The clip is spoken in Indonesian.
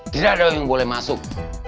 tidak ada yang boleh masuk